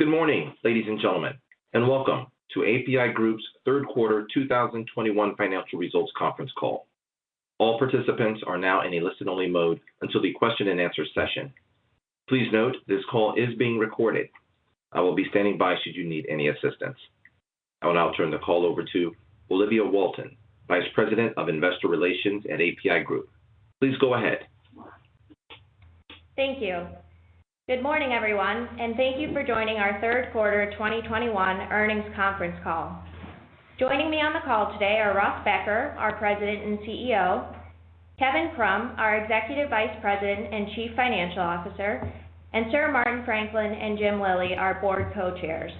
Good morning, ladies and gentlemen, and welcome to APi Group's Q3 2021 financial results conference call. All participants are now in a listen-only mode until the question and answer session. Please note this call is being recorded. I will be standing by should you need any assistance. I will now turn the call over to Olivia Walton, Vice President of Investor Relations at APi Group. Please go ahead. Thank you. Good morning, everyone, and thank you for joining our Q3 2021 earnings conference call. Joining me on the call today are Russ Becker, our President and CEO, Kevin Krumm, our Executive Vice President and Chief Financial Officer, and Sir Martin Franklin and Jim Lillie, our Board Co-Chairs.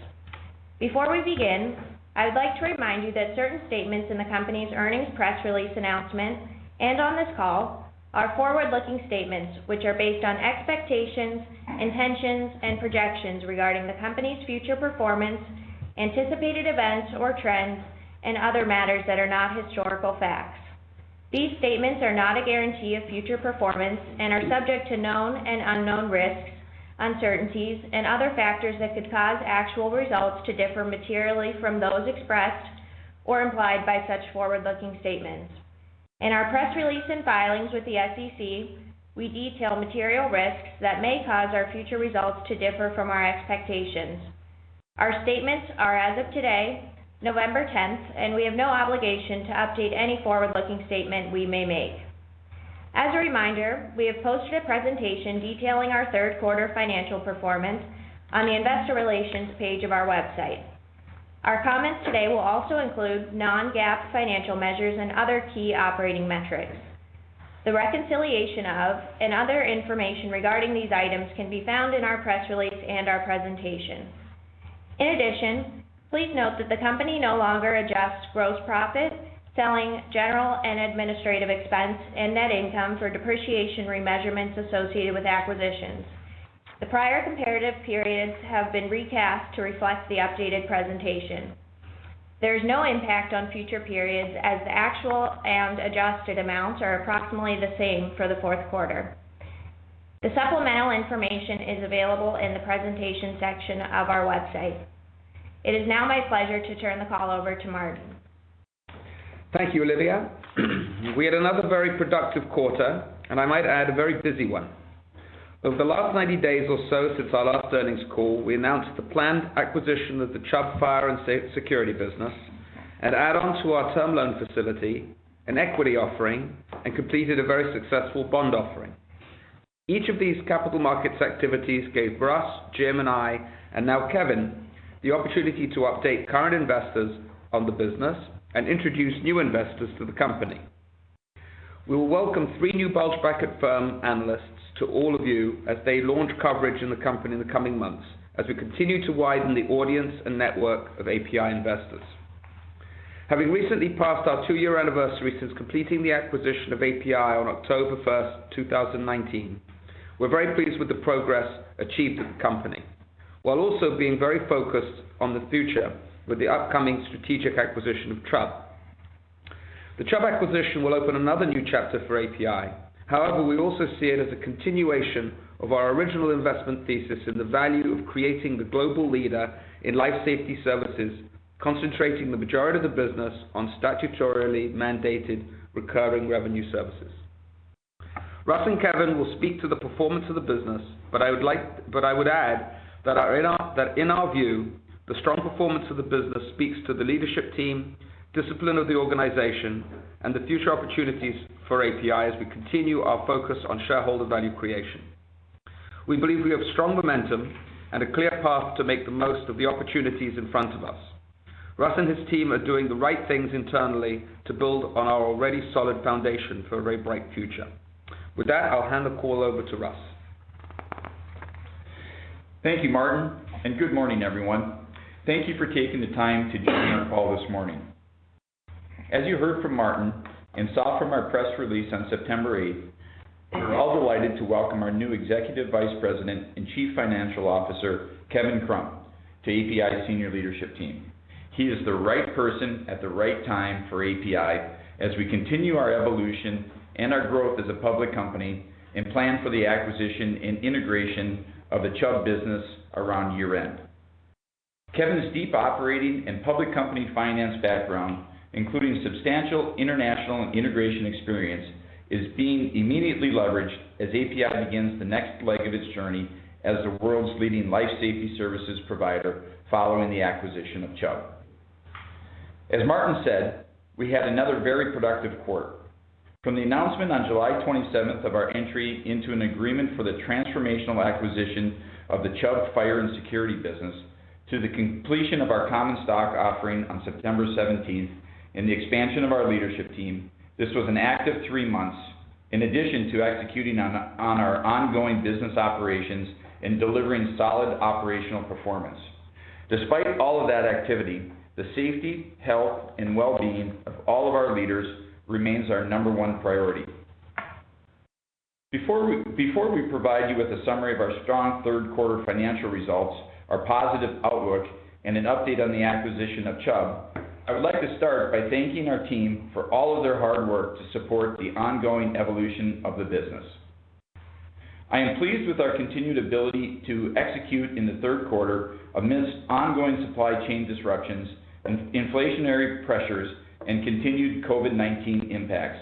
Before we begin, I'd like to remind you that certain statements in the company's earnings press release announcement and on this call are forward-looking statements which are based on expectations, intentions, and projections regarding the company's future performance, anticipated events or trends, and other matters that are not historical facts. These statements are not a guarantee of future performance and are subject to known and unknown risks, uncertainties, and other factors that could cause actual results to differ materially from those expressed or implied by such forward-looking statements. In our press release and filings with the SEC, we detail material risks that may cause our future results to differ from our expectations. Our statements are as of today, November tenth, and we have no obligation to update any forward-looking statement we may make. As a reminder, we have posted a presentation detailing our Q3 financial performance on the investor relations page of our website. Our comments today will also include non-GAAP financial measures and other key operating metrics. The reconciliation of and other information regarding these items can be found in our press release and our presentation. In addition, please note that the company no longer adjusts gross profit, selling, general and administrative expense and net income for depreciation remeasurements associated with acquisitions. The prior comparative periods have been recast to reflect the updated presentation. There is no impact on future periods as the actual and adjusted amounts are approximately the same for the Q4. The supplemental information is available in the presentation section of our website. It is now my pleasure to turn the call over to Martin. Thank you, Olivia. We had another very productive quarter, and I might add a very busy one. Over the last 90 days or so since our last earnings call, we announced the planned acquisition of the Chubb Fire & Security business, an add-on to our term loan facility, an equity offering, and completed a very successful bond offering. Each of these capital markets activities gave Russ, Jim and I, and now Kevin, the opportunity to update current investors on the business and introduce new investors to the company. We will welcome 3 new bulge bracket firm analysts to all of you as they launch coverage on the company in the coming months as we continue to widen the audience and network of APi investors. Having recently passed our two-year anniversary since completing the acquisition of APi on October 1, 2019, we're very pleased with the progress achieved at the company, while also being very focused on the future with the upcoming strategic acquisition of Chubb. The Chubb acquisition will open another new chapter for APi. However, we also see it as a continuation of our original investment thesis in the value of creating the global leader in life safety services, concentrating the majority of the business on statutorily mandated recurring revenue services. Russ and Kevin will speak to the performance of the business, but I would add that in our view, the strong performance of the business speaks to the leadership team, discipline of the organization, and the future opportunities for APi as we continue our focus on shareholder value creation. We believe we have strong momentum and a clear path to make the most of the opportunities in front of us. Russ and his team are doing the right things internally to build on our already solid foundation for a very bright future. With that, I'll hand the call over to Russ. Thank you, Martin, and good morning, everyone. Thank you for taking the time to join our call this morning. As you heard from Martin and saw from our press release on September eighth, we're all delighted to welcome our new Executive Vice President and Chief Financial Officer, Kevin Krumm, to APi's senior leadership team. He is the right person at the right time for APi as we continue our evolution and our growth as a public company and plan for the acquisition and integration of the Chubb business around year-end. Kevin's deep operating and public company finance background, including substantial international and integration experience, is being immediately leveraged as APi begins the next leg of its journey as the world's leading life safety services provider following the acquisition of Chubb. As Martin said, we had another very productive quarter. From the announcement on July 27th of our entry into an agreement for the transformational acquisition of the Chubb Fire & Security business to the completion of our common stock offering on September 17th and the expansion of our leadership team, this was an active 3 months in addition to executing on our ongoing business operations and delivering solid operational performance. Despite all of that activity, the safety, health, and well-being of all of our leaders remains our number 1 priority. Before we provide you with a summary of our strong Q3 financial results, our positive outlook, and an update on the acquisition of Chubb, I would like to start by thanking our team for all of their hard work to support the ongoing evolution of the business. I am pleased with our continued ability to execute in the Q3 amidst ongoing supply chain disruptions, inflationary pressures, and continued COVID-19 impacts.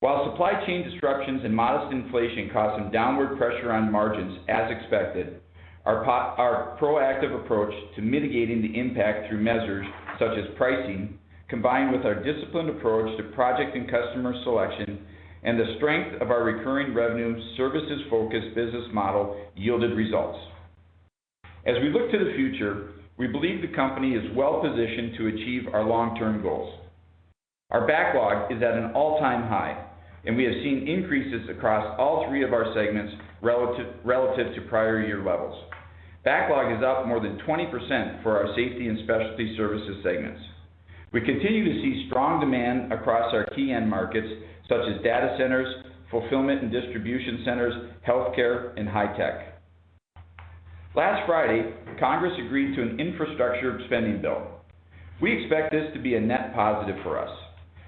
While supply chain disruptions and modest inflation caused some downward pressure on margins as expected, our proactive approach to mitigating the impact through measures such as pricing, combined with our disciplined approach to project and customer selection, and the strength of our recurring revenue services-focused business model yielded results. As we look to the future, we believe the company is well-positioned to achieve our long-term goals. Our backlog is at an all-time high, and we have seen increases across all three of our segments relative to prior year levels. Backlog is up more than 20% for our Safety Services and Specialty Services segments. We continue to see strong demand across our key end markets such as data centers, fulfillment and distribution centers, healthcare, and high tech. Last Friday, Congress agreed to an infrastructure spending bill. We expect this to be a net positive for us.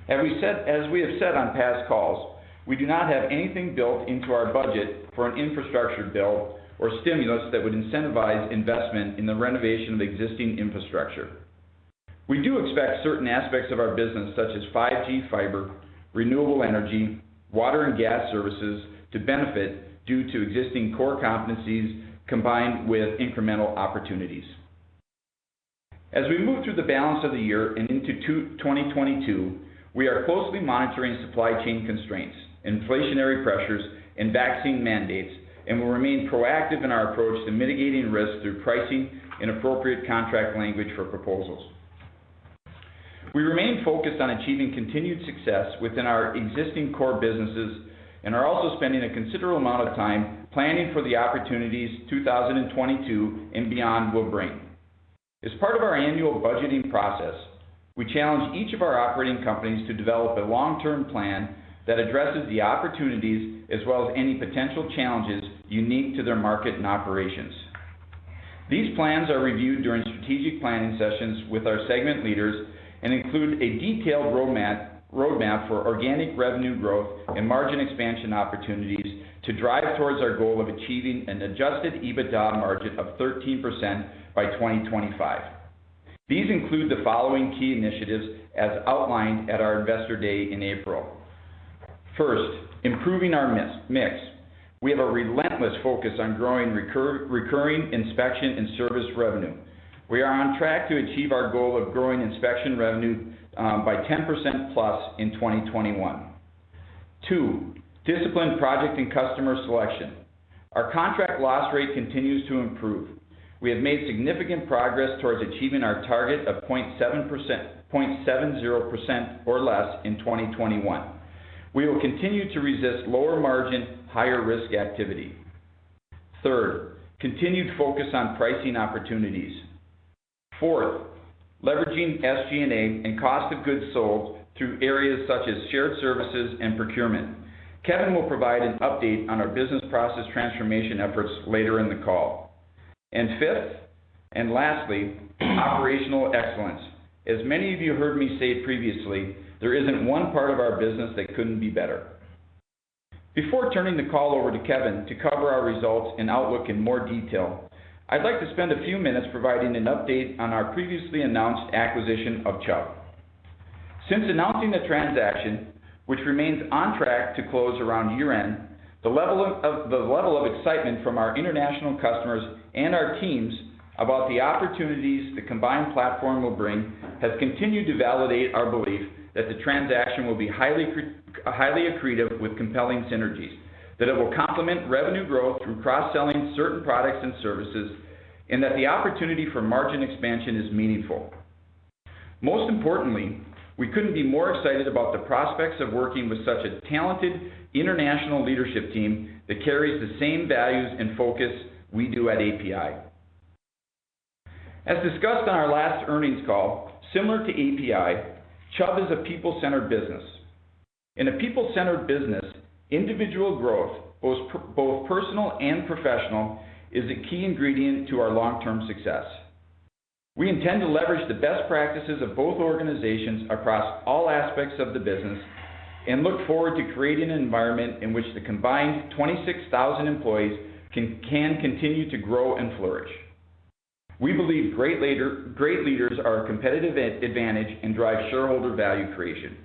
As we have said on past calls, we do not have anything built into our budget for an infrastructure bill or stimulus that would incentivize investment in the renovation of existing infrastructure. We do expect certain aspects of our business such as 5G fiber, renewable energy, water and gas services to benefit due to existing core competencies combined with incremental opportunities. As we move through the balance of the year and into 2022, we are closely monitoring supply chain constraints, inflationary pressures, and vaccine mandates, and will remain proactive in our approach to mitigating risk through pricing and appropriate contract language for proposals. We remain focused on achieving continued success within our existing core businesses and are also spending a considerable amount of time planning for the opportunities 2022 and beyond will bring. As part of our annual budgeting process, we challenge each of our operating companies to develop a long-term plan that addresses the opportunities as well as any potential challenges unique to their market and operations. These plans are reviewed during strategic planning sessions with our segment leaders and include a detailed roadmap for organic revenue growth and margin expansion opportunities to drive towards our goal of achieving an adjusted EBITDA margin of 13% by 2025. These include the following key initiatives as outlined at our investor day in April. First, improving our mix. We have a relentless focus on growing recurring inspection and service revenue. We are on track to achieve our goal of growing inspection revenue by 10%+ in 2021. Two, disciplined project and customer selection. Our contract loss rate continues to improve. We have made significant progress towards achieving our target of 0.70% or less in 2021. We will continue to resist lower margin, higher risk activity. Third, continued focus on pricing opportunities. Fourth, leveraging SG&A and cost of goods sold through areas such as shared services and procurement. Kevin will provide an update on our business process transformation efforts later in the call. Fifth and lastly, operational excellence. As many of you heard me say previously, there isn't one part of our business that couldn't be better. Before turning the call over to Kevin to cover our results and outlook in more detail, I'd like to spend a few minutes providing an update on our previously announced acquisition of Chubb. Since announcing the transaction, which remains on track to close around year-end, the level of excitement from our international customers and our teams about the opportunities the combined platform will bring, has continued to validate our belief that the transaction will be highly accretive with compelling synergies, that it will complement revenue growth through cross-selling certain products and services, and that the opportunity for margin expansion is meaningful. Most importantly, we couldn't be more excited about the prospects of working with such a talented international leadership team that carries the same values and focus we do at APi. As discussed on our last earnings call, similar to APi, Chubb is a people-centered business. In a people-centered business, individual growth, both personal and professional, is a key ingredient to our long-term success. We intend to leverage the best practices of both organizations across all aspects of the business and look forward to creating an environment in which the combined 26,000 employees can continue to grow and flourish. We believe great leaders are a competitive advantage and drive shareholder value creation.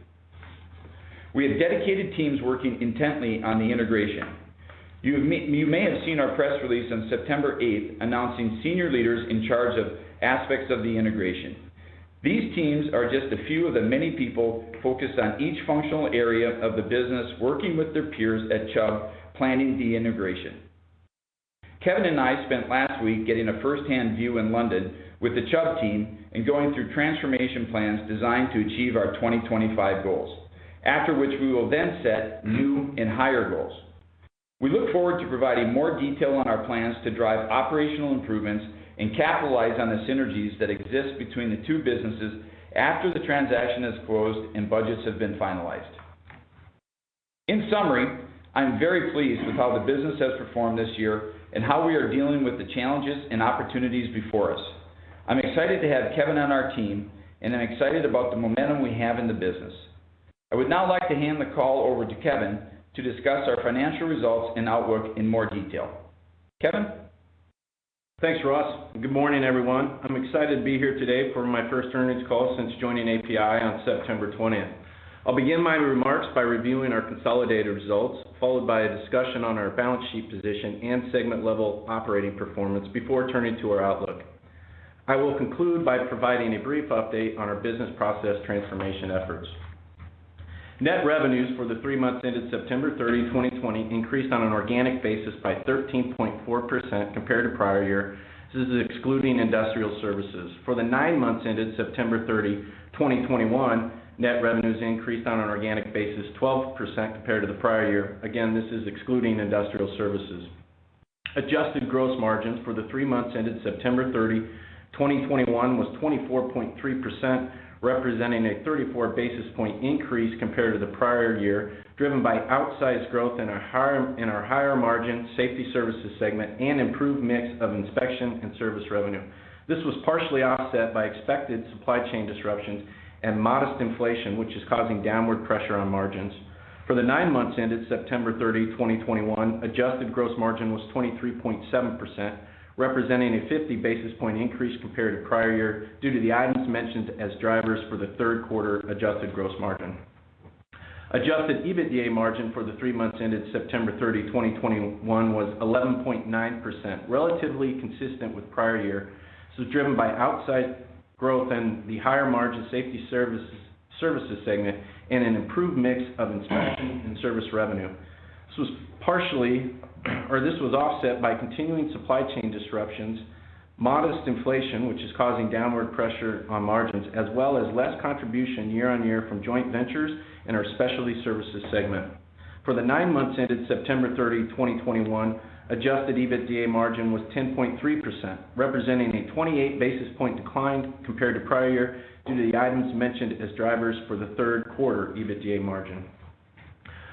We have dedicated teams working intently on the integration. You may have seen our press release on September eighth announcing senior leaders in charge of aspects of the integration. These teams are just a few of the many people focused on each functional area of the business, working with their peers at Chubb, planning the integration. Kevin and I spent last week getting a firsthand view in London with the Chubb team and going through transformation plans designed to achieve our 2025 goals. After which we will then set new and higher goals. We look forward to providing more detail on our plans to drive operational improvements and capitalize on the synergies that exist between the two businesses after the transaction has closed and budgets have been finalized. In summary, I'm very pleased with how the business has performed this year and how we are dealing with the challenges and opportunities before us. I'm excited to have Kevin on our team, and I'm excited about the momentum we have in the business. I would now like to hand the call over to Kevin to discuss our financial results and outlook in more detail. Kevin? Thanks, Russ. Good morning, everyone. I'm excited to be here today for my first earnings call since joining APi on September 20. I'll begin my remarks by reviewing our consolidated results, followed by a discussion on our balance sheet position and segment level operating performance before turning to our outlook. I will conclude by providing a brief update on our business process transformation efforts. Net revenues for the three months ended September 30, 2020, increased on an organic basis by 13.4% compared to prior year. This is excluding Industrial Services. For the nine months ended September 30, 2021, net revenues increased on an organic basis 12% compared to the prior year. Again, this is excluding Industrial Services. Adjusted gross margins for the three months ended September 30, 2021 was 24.3%, representing a 34 basis point increase compared to the prior year, driven by outsized growth in our higher margin Safety Services segment and improved mix of inspection and service revenue. This was partially offset by expected supply chain disruptions and modest inflation, which is causing downward pressure on margins. For the nine months ended September 30, 2021, adjusted gross margin was 23.7%, representing a 50 basis point increase compared to prior year due to the items mentioned as drivers for the Q3 adjusted gross margin. Adjusted EBITDA margin for the three months ended September 30, 2021 was 11.9%, relatively consistent with prior year. This was driven by organic growth in the higher margin Safety Services segment and an improved mix of inspection and service revenue. This was offset by continuing supply chain disruptions, modest inflation, which is causing downward pressure on margins, as well as less contribution year-over-year from joint ventures in our Specialty Services segment. For the nine months ended September 30, 2021, adjusted EBITDA margin was 10.3%, representing a 28 basis point decline compared to prior year due to the items mentioned as drivers for the Q3 EBITDA margin.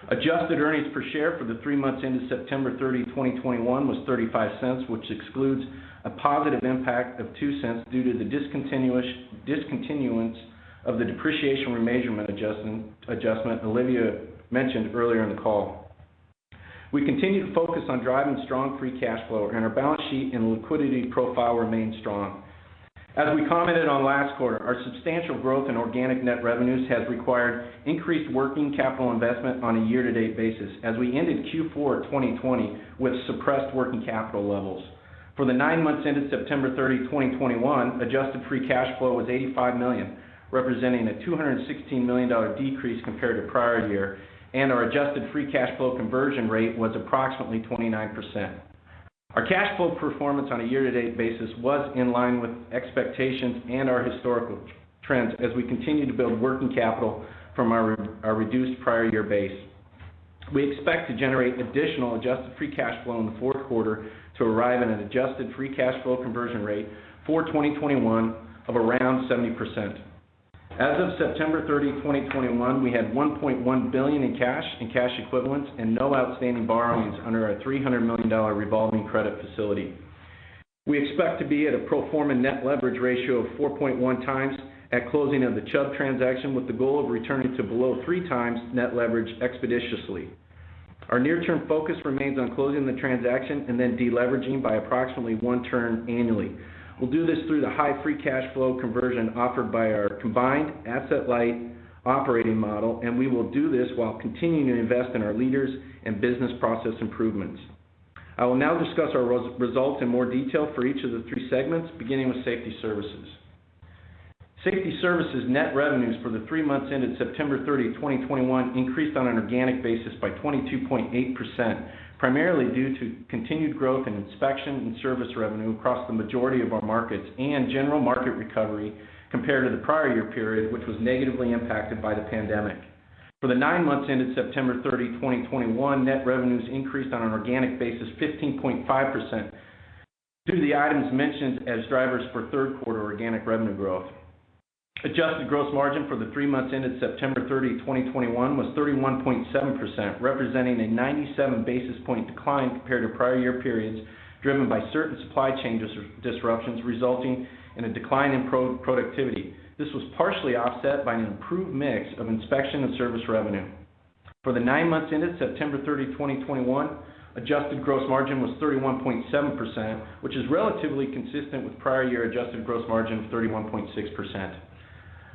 Adjusted earnings per share for the three months ended September 30, 2021 was $0.35, which excludes a positive impact of $0.02 due to the discontinuance of the depreciation remeasurement adjustment Olivia mentioned earlier in the call. We continue to focus on driving strong free cash flow and our balance sheet and liquidity profile remain strong. As we commented on last quarter, our substantial growth in organic net revenues has required increased working capital investment on a year to date basis as we ended Q4 of 2020 with suppressed working capital levels. For the nine months ended September 30, 2021, adjusted free cash flow was $85 million, representing a $216 million decrease compared to prior year, and our adjusted free cash flow conversion rate was approximately 29%. Our cash flow performance on a year to date basis was in line with expectations and our historical trends as we continue to build working capital from our reduced prior year base. We expect to generate additional adjusted free cash flow in the Q4 to arrive at an adjusted free cash flow conversion rate for 2021 of around 70%. As of September 30, 2021, we had $1.1 billion in cash and cash equivalents and no outstanding borrowings under our $300 million revolving credit facility. We expect to be at a pro forma net leverage ratio of 4.1x at closing of the Chubb transaction with the goal of returning to below 3x net leverage expeditiously. Our near-term focus remains on closing the transaction and then de-leveraging by approximately 1 turn annually. We'll do this through the high free cash flow conversion offered by our combined asset light operating model, and we will do this while continuing to invest in our leaders and business process improvements. I will now discuss our results in more detail for each of the three segments, beginning with Safety Services. Safety Services net revenues for the three months ended September 30, 2021 increased on an organic basis by 22.8%, primarily due to continued growth in inspection and service revenue across the majority of our markets and general market recovery compared to the prior year period, which was negatively impacted by the pandemic. For the nine months ended September 30, 2021, net revenues increased on an organic basis 15.5% due to the items mentioned as drivers for Q3 organic revenue growth. Adjusted gross margin for the three months ended September 30, 2021 was 31.7%, representing a 97 basis point decline compared to prior year periods, driven by certain supply chain disruptions resulting in a decline in productivity. This was partially offset by an improved mix of inspection and service revenue. For the nine months ended September 30, 2021, adjusted gross margin was 31.7%, which is relatively consistent with prior year adjusted gross margin of 31.6%.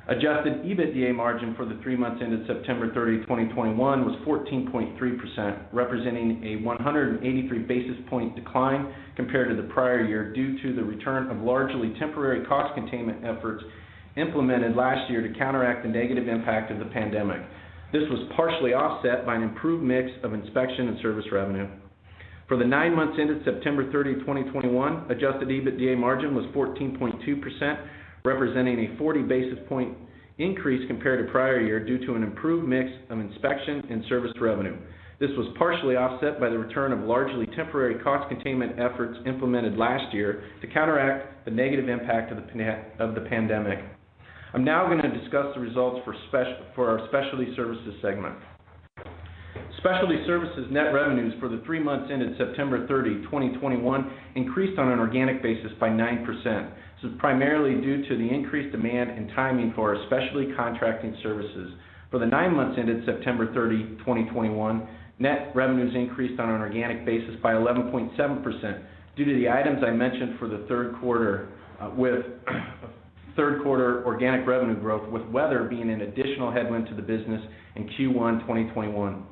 Adjusted EBITDA margin for the three months ended September 30, 2021 was 14.3%, representing a 183 basis point decline compared to the prior year due to the return of largely temporary cost containment efforts implemented last year to counteract the negative impact of the pandemic. This was partially offset by an improved mix of inspection and service revenue. For the nine months ended September 30, 2021, adjusted EBITDA margin was 14.2%, representing a 40 basis point increase compared to prior year due to an improved mix of inspection and service revenue. This was partially offset by the return of largely temporary cost containment efforts implemented last year to counteract the negative impact of the pandemic. I'm now gonna discuss the results for our specialty services segment. Specialty Services net revenues for the three months ended September 30, 2021 increased on an organic basis by 9%. This is primarily due to the increased demand and timing for our specialty contracting services. For the nine months ended September 30, 2021, net revenues increased on an organic basis by 11.7% due to the items I mentioned for the Q3, Q3 organic revenue growth with weather being an additional headwind to the business in Q1 2021.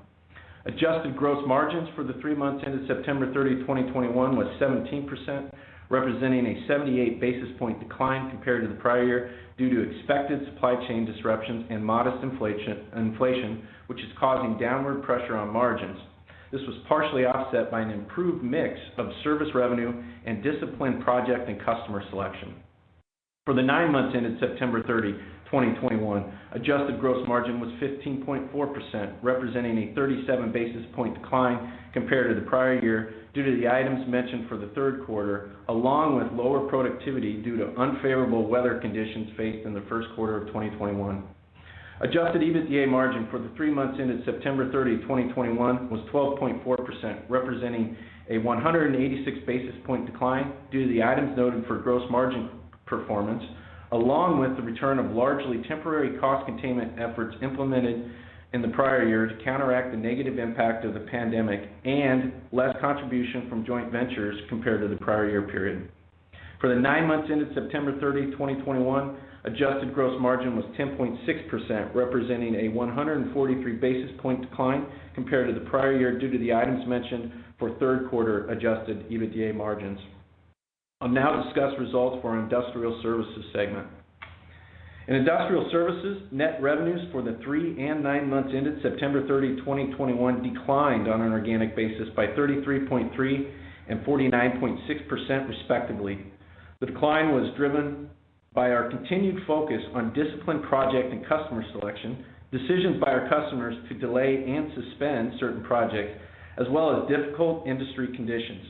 Adjusted gross margins for the 3 months ended September 30, 2021 was 17%, representing a 78 basis point decline compared to the prior year due to expected supply chain disruptions and modest inflation, which is causing downward pressure on margins. This was partially offset by an improved mix of service revenue and disciplined project and customer selection. For the 9 months ended September 30, 2021, adjusted gross margin was 15.4%, representing a 37 basis point decline compared to the prior year due to the items mentioned for the Q3, along with lower productivity due to unfavorable weather conditions faced in the Q1 of 2021. Adjusted EBITDA margin for the three months ended September 30, 2021 was 12.4%, representing a 186 basis point decline due to the items noted for gross margin performance, along with the return of largely temporary cost containment efforts implemented in the prior year to counteract the negative impact of the pandemic and less contribution from joint ventures compared to the prior year period. For the nine months ended September 30, 2021, adjusted gross margin was 10.6%, representing a 143 basis point decline compared to the prior year due to the items mentioned for Q3 adjusted EBITDA margins. I'll now discuss results for our Industrial Services segment. In Industrial Services, net revenues for the three and nine months ended September 30, 2021 declined on an organic basis by 33.3% and 49.6% respectively. The decline was driven by our continued focus on disciplined project and customer selection, decisions by our customers to delay and suspend certain projects, as well as difficult industry conditions.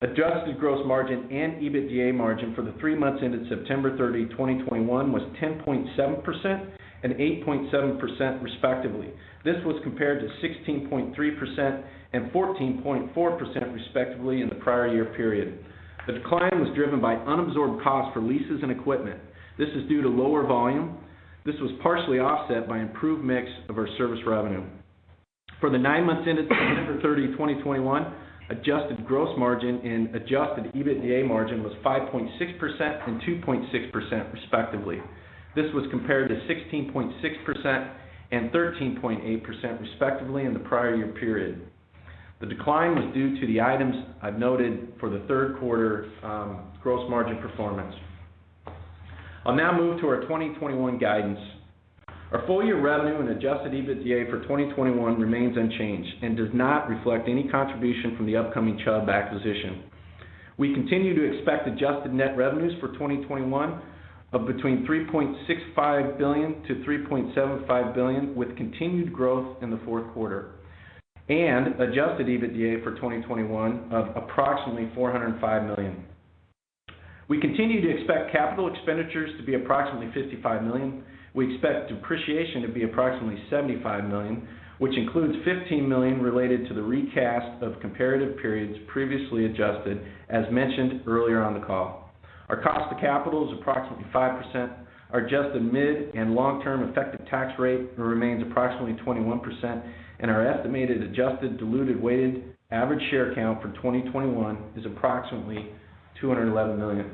Adjusted gross margin and EBITDA margin for the three months ended September 30, 2021 was 10.7% and 8.7% respectively. This was compared to 16.3% and 14.4% respectively in the prior year period. The decline was driven by unabsorbed costs for leases and equipment. This is due to lower volume. This was partially offset by improved mix of our service revenue. For the 9 months ended September 30, 2021, adjusted gross margin and adjusted EBITDA margin was 5.6% and 2.6% respectively. This was compared to 16.6% and 13.8% respectively in the prior year period. The decline was due to the items I've noted for the Q3, gross margin performance. I'll now move to our 2021 guidance. Our full year revenue and adjusted EBITDA for 2021 remains unchanged and does not reflect any contribution from the upcoming Chubb acquisition. We continue to expect adjusted net revenues for 2021 of between $3.65 billion-$3.75 billion, with continued growth in the Q4, and adjusted EBITDA for 2021 of approximately $405 million. We continue to expect capital expenditures to be approximately $55 million. We expect depreciation to be approximately $75 million, which includes $15 million related to the recast of comparative periods previously adjusted, as mentioned earlier on the call. Our cost of capital is approximately 5%. Our adjusted mid and long-term effective tax rate remains approximately 21%, and our estimated adjusted diluted weighted average share count for 2021 is approximately 211 million.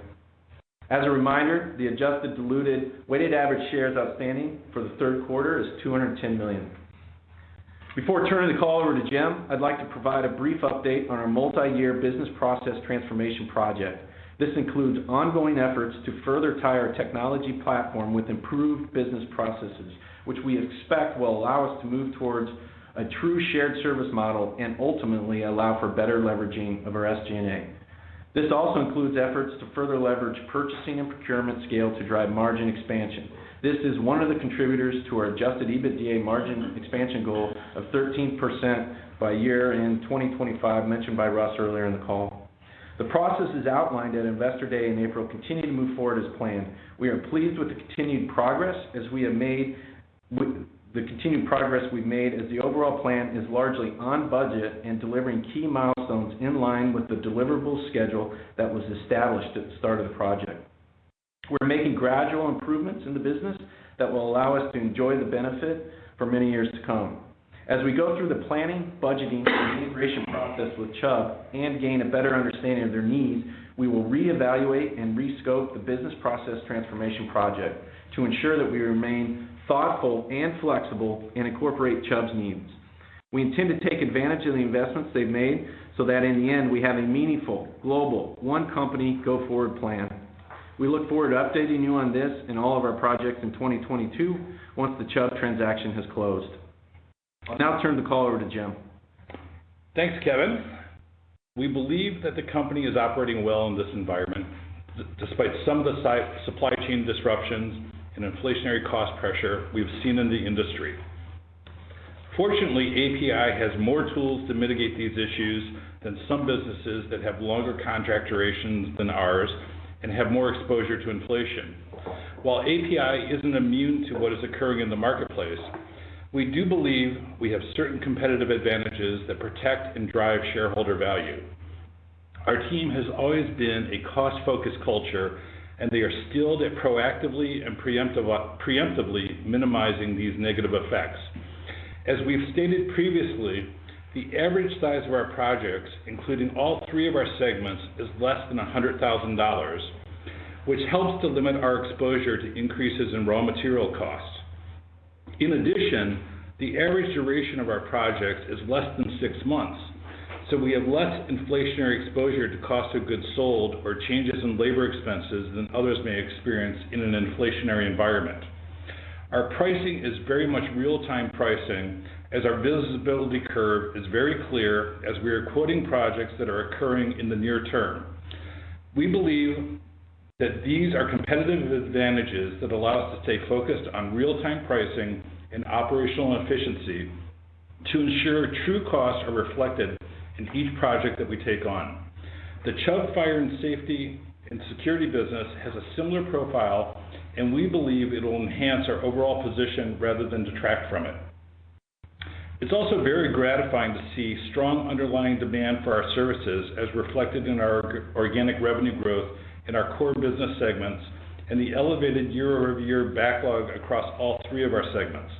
As a reminder, the adjusted diluted weighted average shares outstanding for the Q3 is 210 million. Before turning the call over to Jim, I'd like to provide a brief update on our multi-year business process transformation project. This includes ongoing efforts to further tie our technology platform with improved business processes, which we expect will allow us to move towards a true shared service model and ultimately allow for better leveraging of our SG&A. This also includes efforts to further leverage purchasing and procurement scale to drive margin expansion. This is one of the contributors to our adjusted EBITDA margin expansion goal of 13% by year-end 2025 mentioned by Russ earlier in the call. The processes outlined at Investor Day in April continue to move forward as planned. We are pleased with the continued progress we've made as the overall plan is largely on budget and delivering key milestones in line with the deliverable schedule that was established at the start of the project. We're making gradual improvements in the business that will allow us to enjoy the benefit for many years to come. As we go through the planning, budgeting, and integration process with Chubb and gain a better understanding of their needs, we will reevaluate and rescope the business process transformation project to ensure that we remain thoughtful and flexible and incorporate Chubb's needs. We intend to take advantage of the investments they've made so that in the end, we have a meaningful, global, one company go forward plan. We look forward to updating you on this and all of our projects in 2022 once the Chubb transaction has closed. I'll now turn the call over to Jim. Thanks, Kevin. We believe that the company is operating well in this environment, despite some of the supply chain disruptions and inflationary cost pressure we've seen in the industry. Fortunately, APi has more tools to mitigate these issues than some businesses that have longer contract durations than ours and have more exposure to inflation. While APi isn't immune to what is occurring in the marketplace, we do believe we have certain competitive advantages that protect and drive shareholder value. Our team has always been a cost-focused culture, and they are skilled at proactively and preemptively minimizing these negative effects. As we've stated previously, the average size of our projects, including all three of our segments, is less than $100,000, which helps to limit our exposure to increases in raw material costs. In addition, the average duration of our projects is less than six months, so we have less inflationary exposure to cost of goods sold or changes in labor expenses than others may experience in an inflationary environment. Our pricing is very much real-time pricing as our visibility curve is very clear as we are quoting projects that are occurring in the near term. We believe that these are competitive advantages that allow us to stay focused on real-time pricing and operational efficiency to ensure true costs are reflected in each project that we take on. The Chubb Fire & Security business has a similar profile, and we believe it'll enhance our overall position rather than detract from it. It's also very gratifying to see strong underlying demand for our services as reflected in our organic revenue growth in our core business segments and the elevated year-over-year backlog across all three of our segments.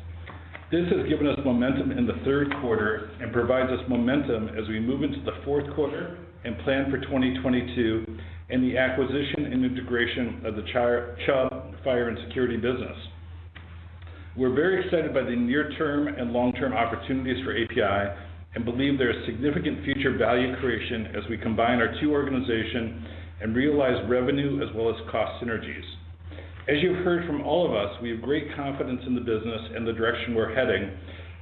This has given us momentum in the Q3 and provides us momentum as we move into the Q4 and plan for 2022 and the acquisition and integration of the Chubb Fire & Security business. We're very excited by the near-term and long-term opportunities for APi and believe there is significant future value creation as we combine our two organizations and realize revenue as well as cost synergies. As you've heard from all of us, we have great confidence in the business and the direction we're heading,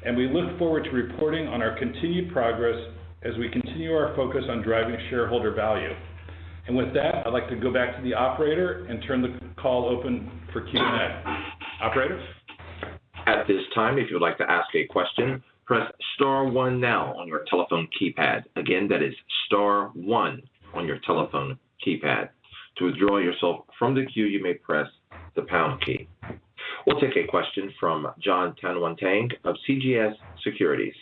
and we look forward to reporting on our continued progress as we continue our focus on driving shareholder value. With that, I'd like to go back to the operator and turn the call open for Q&A. Operator? At this time if you would like to ask a question, press *1 now on your telephone key pad. Again, that is *1 on your telephone key pad. To withdraw yourself from the queue, you may press the pound key. We'll take a question from Jon Tanwanteng of CJS Securities.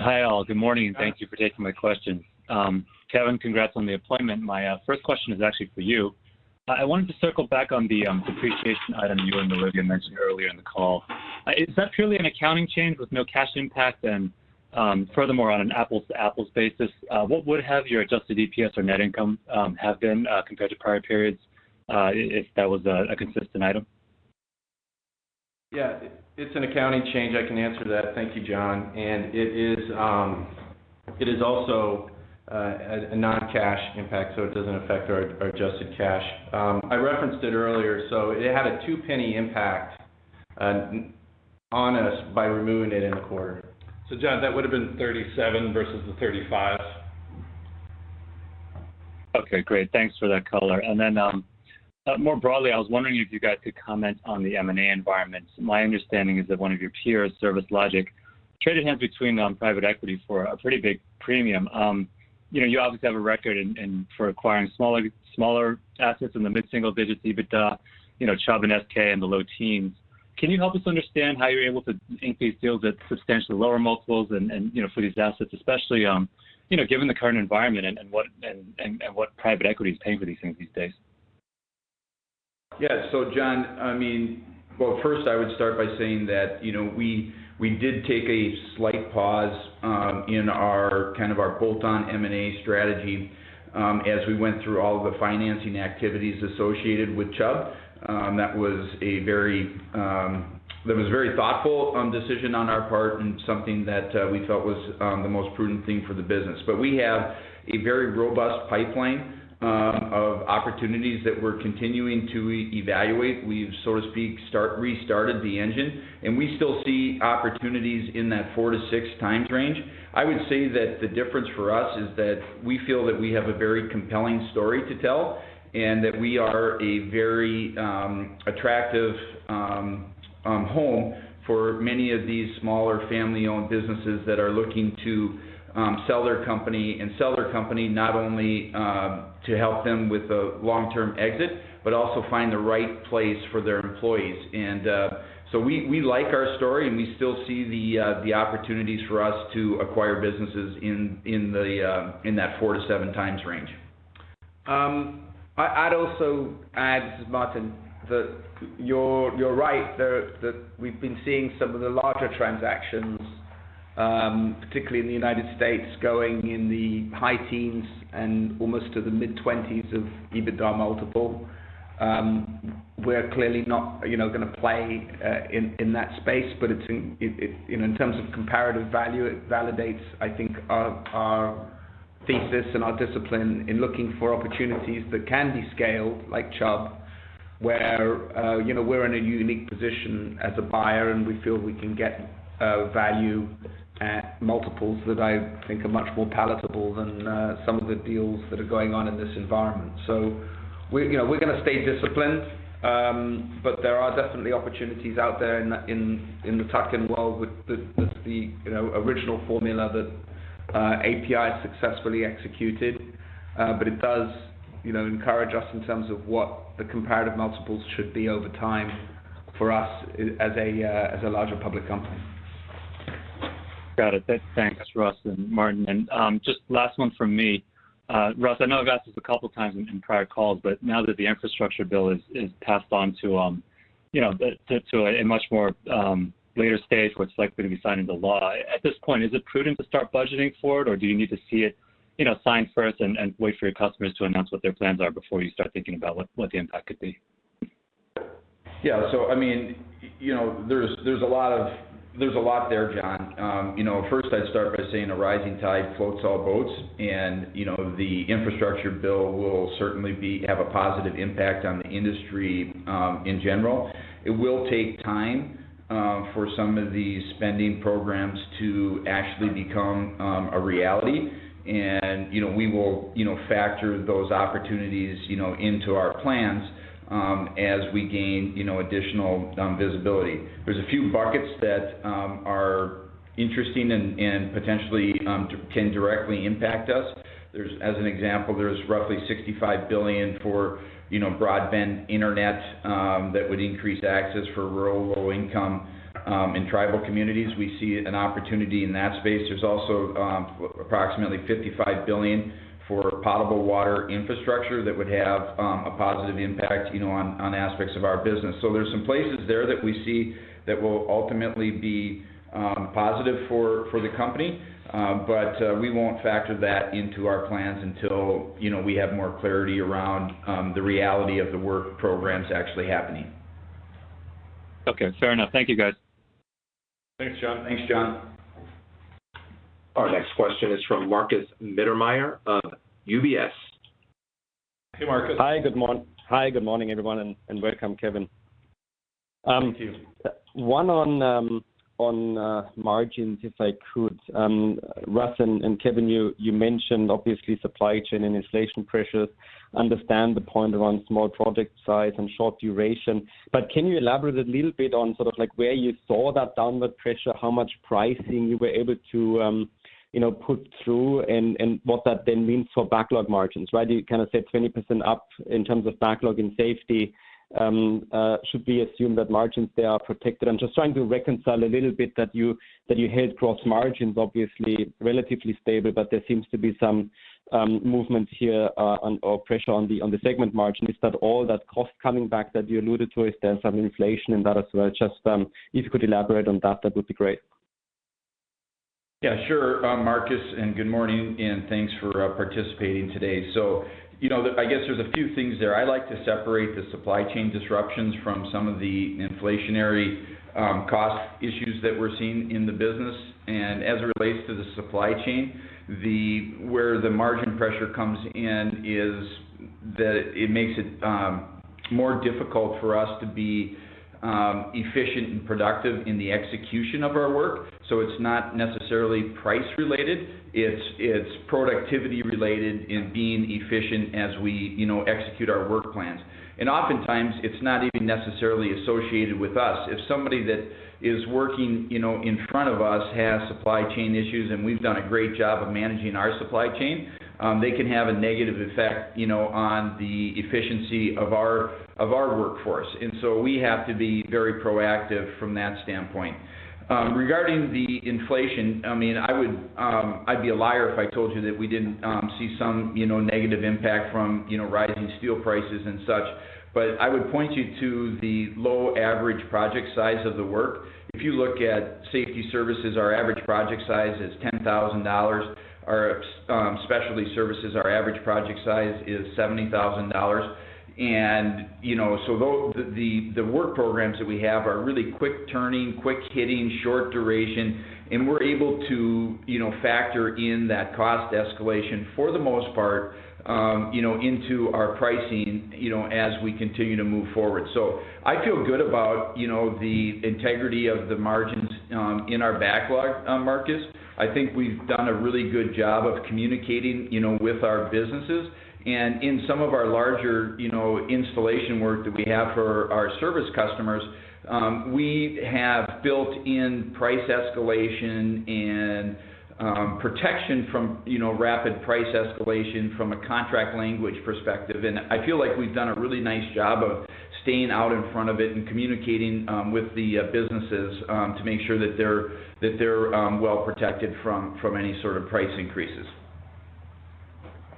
Hi, all. Good morning, and thank you for taking my question. Kevin, congrats on the appointment. My first question is actually for you. I wanted to circle back on the depreciation item you and Olivia mentioned earlier in the call. Is that purely an accounting change with no cash impact? Furthermore, on an apples-to-apples basis, what would have your adjusted EPS or net income have been compared to prior periods if that was a consistent item? Yeah. It's an accounting change. I can answer that. Thank you, Jon. It is also a non-cash impact, so it doesn't affect our adjusted cash. I referenced it earlier, so it had a $0.02 impact on us by removing it in the quarter. Jon, that would have been 37 versus the 35. Okay. Great. Thanks for that color. Then, more broadly, I was wondering if you guys could comment on the M&A environment. My understanding is that one of your peers, Service Logic, traded hands between private equity for a pretty big premium. You know, you obviously have a record and for acquiring smaller assets in the mid-single digits EBITDA, you know, Chubb and SK in the low teens. Can you help us understand how you're able to ink these deals at substantially lower multiples and, you know, for these assets, especially, you know, given the current environment and what private equity is paying for these things these days? Jon, I mean, well, first I would start by saying that, you know, we did take a slight pause in our bolt-on M&A strategy as we went through all the financing activities associated with Chubb. That was a very thoughtful decision on our part and something that we felt was the most prudent thing for the business. We have a very robust pipeline of opportunities that we're continuing to evaluate. We've, so to speak, restarted the engine, and we still see opportunities in that 4-6 times range. I would say that the difference for us is that we feel that we have a very compelling story to tell, and that we are a very attractive home for many of these smaller family-owned businesses that are looking to sell their company not only to help them with a long-term exit, but also find the right place for their employees. We like our story, and we still see the opportunities for us to acquire businesses in that 4-7 times range. I'd also add, this is Martin, that you're right that we've been seeing some of the larger transactions, particularly in the United States, going in the high teens and almost to the mid-twenties of EBITDA multiple. We're clearly not, you know, gonna play in that space. It's, you know, in terms of comparative value, it validates, I think, our thesis and our discipline in looking for opportunities that can be scaled, like Chubb, where, you know, we're in a unique position as a buyer, and we feel we can get value at multiples that I think are much more palatable than some of the deals that are going on in this environment. We, you know, we're gonna stay disciplined, but there are definitely opportunities out there in the tuck-in world with the you know, original formula that APi successfully executed. It does, you know, encourage us in terms of what the comparative multiples should be over time. For us as a larger public company. Got it. Thanks, Russ and Martin. Just last one from me. Russ, I know I've asked this a couple times in prior calls, but now that the infrastructure bill is passed on to you know the to a much more later stage where it's likely to be signed into law. At this point, is it prudent to start budgeting for it, or do you need to see it you know signed first and wait for your customers to announce what their plans are before you start thinking about what the impact could be? Yeah. I mean, you know, there's a lot there, Jon. You know, first I'd start by saying a rising tide floats all boats. You know, the infrastructure bill will certainly have a positive impact on the industry in general. It will take time for some of these spending programs to actually become a reality. You know, we will factor those opportunities into our plans as we gain additional visibility. There are a few buckets that are interesting and potentially can directly impact us. As an example, there's roughly $65 billion for broadband internet that would increase access for rural, low income, and tribal communities. We see an opportunity in that space. There's also approximately $55 billion for potable water infrastructure that would have a positive impact, you know, on aspects of our business. There's some places there that we see that will ultimately be positive for the company. We won't factor that into our plans until, you know, we have more clarity around the reality of the work programs actually happening. Okay. Fair enough. Thank you, guys. Thanks, Jon. Thanks, Jon. Our next question is from Markus Mittermaier of UBS. Hey, Markus. Hi, good morning, everyone, and welcome, Kevin. Thank you. One on margins, if I could. Russ and Kevin, you mentioned obviously supply chain and inflation pressures. I understand the point around small project size and short duration, but can you elaborate a little bit on sort of like where you saw that downward pressure, how much pricing you were able to, you know, put through and what that then means for backlog margins, right? You kind of said 20% up in terms of backlog and Safety Services. Should we assume that margins are protected? I'm just trying to reconcile a little bit that you had gross margins obviously relatively stable, but there seems to be some movement here on or pressure on the segment margin. Is that all that cost coming back that you alluded to? Is there some inflation in that as well? Just, if you could elaborate on that would be great. Yeah, sure, Markus, and good morning, and thanks for participating today. You know, I guess there's a few things there. I like to separate the supply chain disruptions from some of the inflationary cost issues that we're seeing in the business. As it relates to the supply chain, where the margin pressure comes in is that it makes it more difficult for us to be efficient and productive in the execution of our work. It's not necessarily price related, it's productivity related and being efficient as we, you know, execute our work plans. Oftentimes, it's not even necessarily associated with us. If somebody that is working, you know, in front of us has supply chain issues, and we've done a great job of managing our supply chain, they can have a negative effect, you know, on the efficiency of our workforce. We have to be very proactive from that standpoint. Regarding the inflation, I mean, I would, I'd be a liar if I told you that we didn't see some, you know, negative impact from, you know, rising steel prices and such. But I would point you to the low average project size of the work. If you look at Safety Services, our average project size is $10,000. Our, specialty services, our average project size is $70,000. You know, the work programs that we have are really quick turning, quick hitting, short duration, and we're able to, you know, factor in that cost escalation for the most part, you know, into our pricing, you know, as we continue to move forward. I feel good about, you know, the integrity of the margins in our backlog, Markus. I think we've done a really good job of communicating, you know, with our businesses. In some of our larger, you know, installation work that we have for our service customers, we have built in price escalation and, protection from, you know, rapid price escalation from a contract language perspective. I feel like we've done a really nice job of staying out in front of it and communicating with the businesses to make sure that they're well protected from any sort of price increases.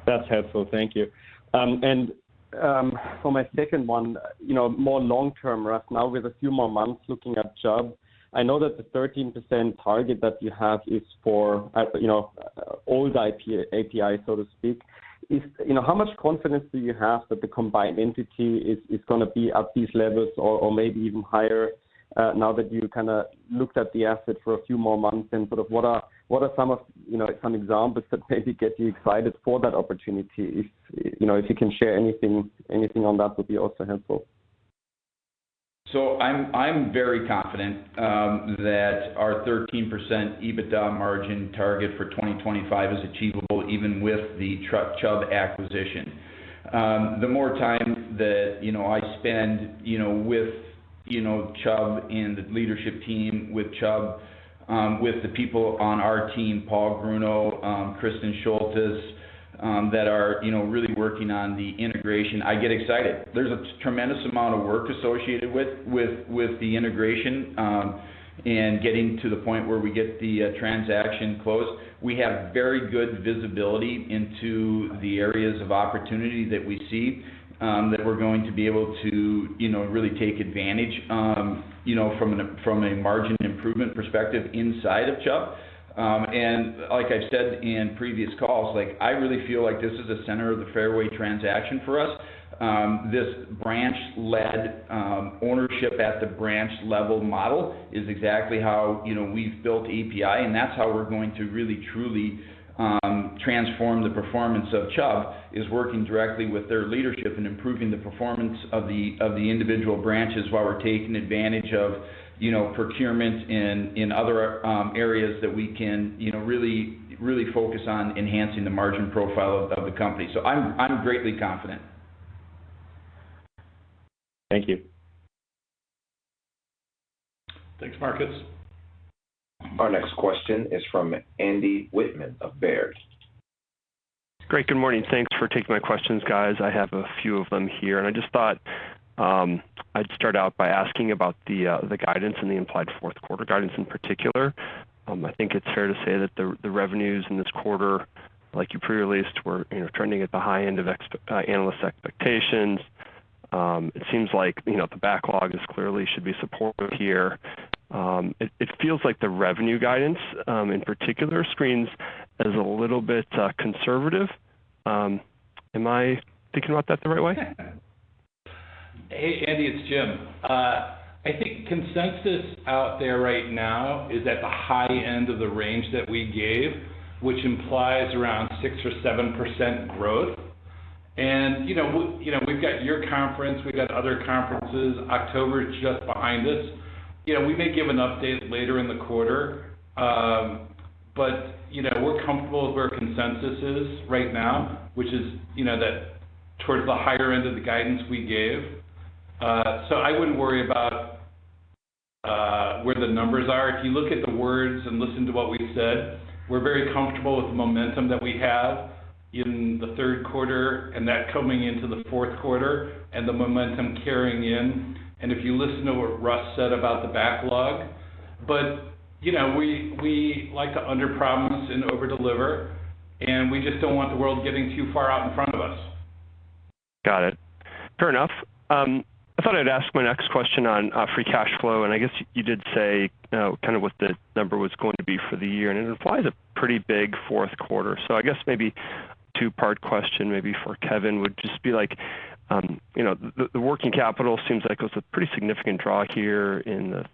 That's helpful. Thank you. For my second one, you know, more long-term, Russ. Now with a few more months looking at Chubb, I know that the 13% target that you have is for, you know, old APi, so to speak. You know, how much confidence do you have that the combined entity is gonna be at these levels or maybe even higher, now that you kind of looked at the asset for a few more months? Sort of what are some of, you know, some examples that maybe get you excited for that opportunity? If, you know, if you can share anything on that would be also helpful. I'm very confident that our 13% EBITDA margin target for 2025 is achievable even with the Chubb acquisition. The more time that, you know, I spend, you know, with Chubb and the leadership team with Chubb, with the people on our team, Paul Grunau, Kristin Schultes, that are, you know, really working on the integration, I get excited. There's a tremendous amount of work associated with the integration and getting to the point where we get the transaction closed. We have very good visibility into the areas of opportunity that we see that we're going to be able to, you know, really take advantage, you know, from a margin improvement perspective inside of Chubb. Like I said in previous calls, like, I really feel like this is the center of the fairway transaction for us. This branch-led ownership at the branch level model is exactly how, you know, we've built APi, and that's how we're going to really, truly transform the performance of Chubb, is working directly with their leadership in improving the performance of the individual branches while we're taking advantage of, you know, procurement in other areas that we can, you know, really, really focus on enhancing the margin profile of the company. I'm greatly confident. Thank you. Thanks, Markus. Our next question is from Andy Wittmann of Baird. Great, good morning. Thanks for taking my questions, guys. I have a few of them here. I just thought I'd start out by asking about the guidance and the implied Q4 guidance in particular. I think it's fair to say that the revenues in this quarter, like you pre-released, were, you know, trending at the high end of analyst expectations. It seems like, you know, the backlog is clearly should be supportive here. It feels like the revenue guidance in particular screens as a little bit conservative. Am I thinking about that the right way? Hey, Andy, it's Jim. I think consensus out there right now is at the high end of the range that we gave, which implies around 6%-7% growth. You know, we've got your conference, we've got other conferences. October is just behind us. You know, we may give an update later in the quarter. But, you know, we're comfortable with where consensus is right now, which is, you know, that towards the higher end of the guidance we gave. So I wouldn't worry about where the numbers are. If you look at the words and listen to what we've said, we're very comfortable with the momentum that we have in the Q3 and that coming into the Q4 and the momentum carrying in. If you listen to what Russ said about the backlog. You know, we like to underpromise and overdeliver, and we just don't want the world getting too far out in front of us. Got it. Fair enough. I thought I'd ask my next question on free cash flow, and I guess you did say, you know, kind of what the number was going to be for the year, and it implies a pretty big Q4. I guess maybe two-part question, maybe for Kevin, would just be like, you know, the working capital seems like it was a pretty significant draw here in the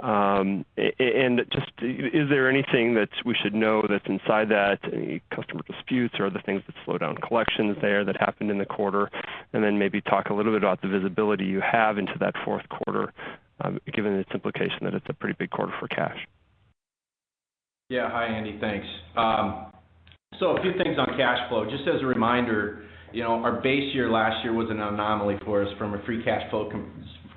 Q3. Just is there anything that we should know that's inside that, any customer disputes or other things that slow down collections there that happened in the quarter? Then maybe talk a little bit about the visibility you have into that Q4, given its implication that it's a pretty big quarter for cash. Yeah. Hi, Andy. Thanks. A few things on cash flow. Just as a reminder, you know, our base year last year was an anomaly for us from a free cash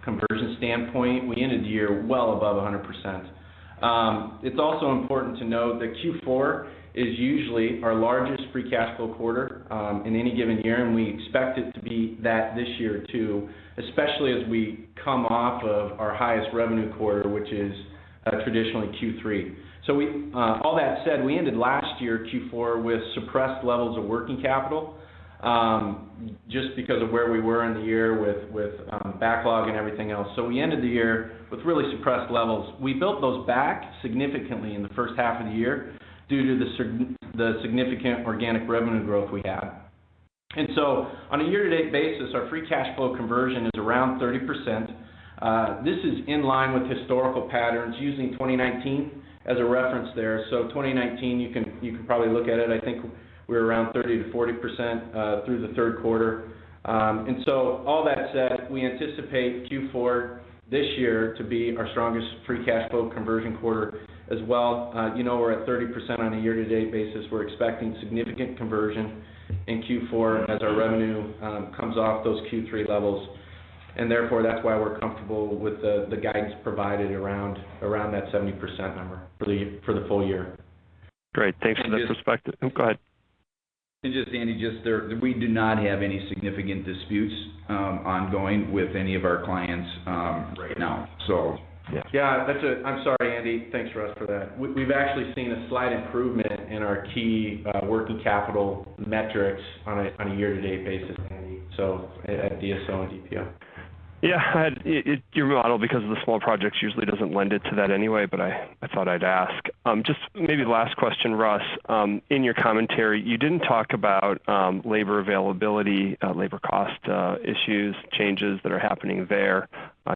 flow conversion standpoint. We ended the year well above 100%. It's also important to note that Q4 is usually our largest free cash flow quarter in any given year, and we expect it to be that this year too, especially as we come off of our highest revenue quarter, which is traditionally Q3. All that said, we ended last year, Q4, with suppressed levels of working capital just because of where we were in the year with backlog and everything else. We ended the year with really suppressed levels. We built those back significantly in the H1 of the year due to the significant organic revenue growth we had. On a year-to-date basis, our free cash flow conversion is around 30%. This is in line with historical patterns using 2019 as a reference there. 2019, you can probably look at it. I think we're around 30%-40% through the Q3. All that said, we anticipate Q4 this year to be our strongest free cash flow conversion quarter as well. We're at 30% on a year-to-date basis. We're expecting significant conversion in Q4 as our revenue comes off those Q3 levels. Therefore, that's why we're comfortable with the guidance provided around that 70% number for the full year. Great. Thanks for that perspective. And just- Oh, go ahead. Just, Andy, just there, we do not have any significant disputes ongoing with any of our clients right now. Yeah. Yeah, that's it. I'm sorry, Andy. Thanks, Russ, for that. We've actually seen a slight improvement in our key working capital metrics on a year-to-date basis, so at DSO and DPO. Yeah. It, your model, because of the small projects, usually doesn't lend it to that anyway, but I thought I'd ask. Just maybe last question, Russ. In your commentary, you didn't talk about labor availability, labor cost issues, changes that are happening there,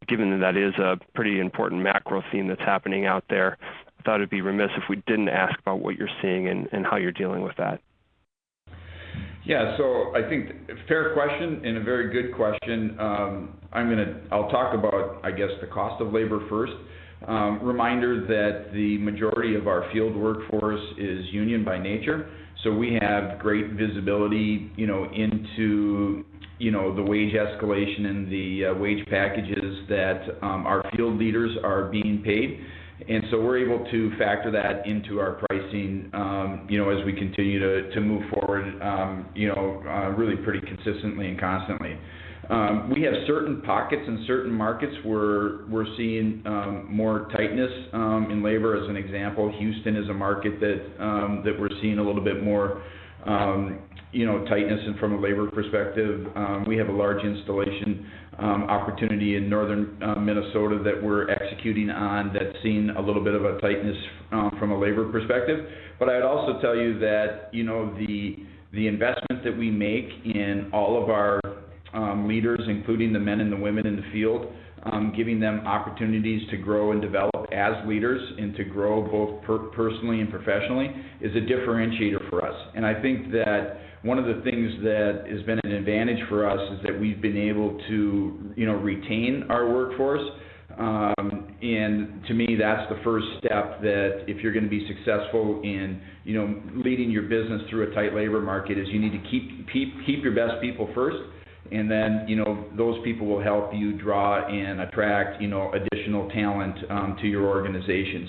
given that that is a pretty important macro theme that's happening out there. I thought it'd be remiss if we didn't ask about what you're seeing and how you're dealing with that. Yeah. I think. Fair question and a very good question. I'll talk about, I guess, the cost of labor first. Reminder that the majority of our field workforce is union by nature. We have great visibility, you know, into the wage escalation and the wage packages that our field leaders are being paid. We're able to factor that into our pricing, you know, as we continue to move forward, you know, really pretty consistently and constantly. We have certain pockets in certain markets where we're seeing more tightness in labor as an example. Houston is a market that we're seeing a little bit more, you know, tightness and from a labor perspective. We have a large installation opportunity in Northern Minnesota that we're executing on that's seen a little bit of a tightness from a labor perspective. But I'd also tell you that the investment that we make in all of our leaders, including the men and the women in the field, giving them opportunities to grow and develop as leaders and to grow both personally and professionally, is a differentiator for us. I think that one of the things that has been an advantage for us is that we've been able to, you know, retain our workforce. To me, that's the first step that if you're gonna be successful in, you know, leading your business through a tight labor market, is you need to keep your best people first, and then, you know, those people will help you draw and attract, you know, additional talent to your organization.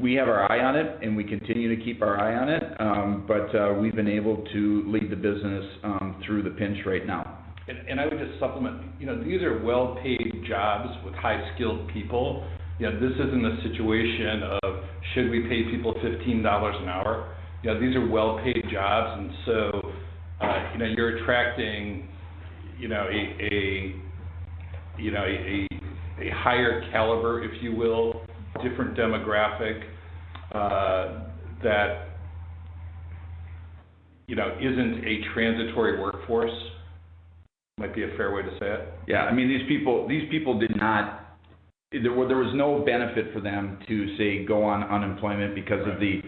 We have our eye on it, and we continue to keep our eye on it. We've been able to lead the business through the pinch right now. I would just supplement. You know, these are well-paid jobs with high-skilled people. You know, this isn't a situation of should we pay people $15 an hour? You know, these are well-paid jobs, and so, you know, you're attracting, you know, a higher caliber, if you will, different demographic, that, you know, isn't a transitory workforce, might be a fair way to say it. Yeah. I mean, there was no benefit for them to, say, go on unemployment because of the-...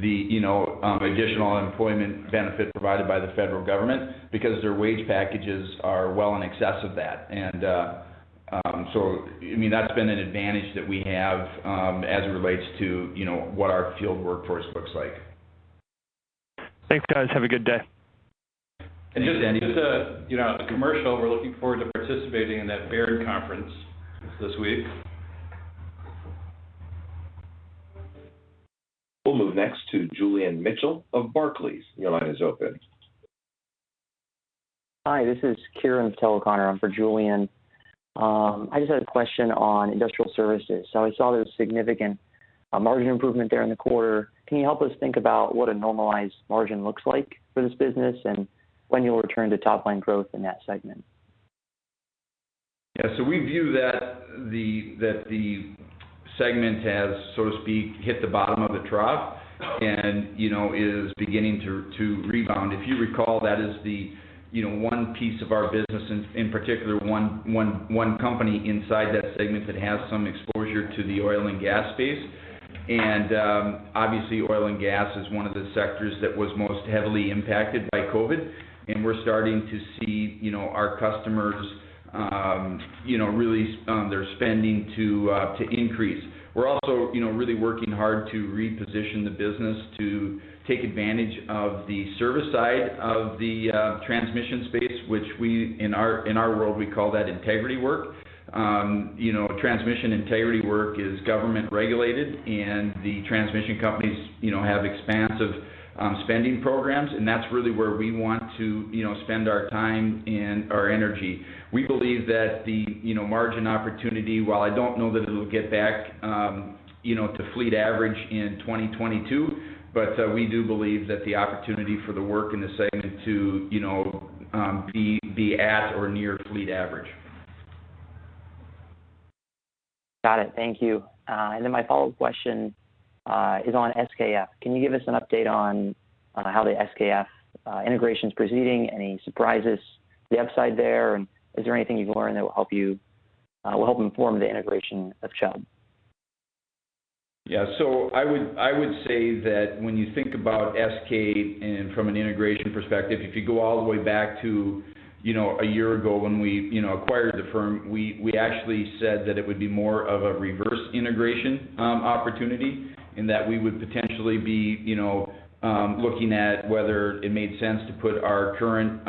the, you know, um-... additional employment benefit provided by the federal government because their wage packages are well in excess of that. I mean, that's been an advantage that we have, as it relates to, you know, what our field workforce looks like. Thanks, guys. Have a good day. Just, you know, a commercial, we're looking forward to participating in that Baird conference this week. We'll move next to Julian Mitchell of Barclays. Your line is open. Hi, this is Kiran Patel-O'Connor. I'm for Julian. I just had a question on Industrial Services. I saw there was significant margin improvement there in the quarter. Can you help us think about what a normalized margin looks like for this business, and when you'll return to top line growth in that segment? We view that the segment has, so to speak, hit the bottom of the trough and, you know, is beginning to rebound. If you recall, that is the one piece of our business in particular one company inside that segment that has some exposure to the oil and gas space. Obviously, oil and gas is one of the sectors that was most heavily impacted by COVID, and we're starting to see, you know, our customers, you know, really their spending to increase. We're also, you know, really working hard to reposition the business to take advantage of the service side of the transmission space, which we in our world call that integrity work. You know, transmission integrity work is government regulated, and the transmission companies, you know, have expansive spending programs, and that's really where we want to, you know, spend our time and our energy. We believe that the, you know, margin opportunity, while I don't know that it'll get back, you know, to fleet average in 2022, but we do believe that the opportunity for the work in the segment to, you know, be at or near fleet average. Got it. Thank you. My follow-up question is on SKF. Can you give us an update on how the SKF integration's proceeding? Any surprises to the upside there? Is there anything you've learned that will help inform the integration of Chubb? Yeah. I would say that when you think about SK and from an integration perspective, if you go all the way back to, you know, a year ago when we, you know, acquired the firm, we actually said that it would be more of a reverse integration opportunity. In that we would potentially be, you know, looking at whether it made sense to put our current,